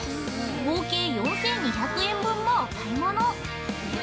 合計４２００円分もお買い物。